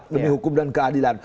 demi hukum dan keadilan